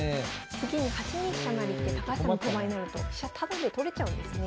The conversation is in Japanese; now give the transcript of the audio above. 次に８二飛車成って高橋さんの手番になると飛車タダで取れちゃうんですね。